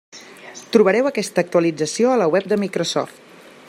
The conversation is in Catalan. Trobareu aquesta actualització a la web de Microsoft.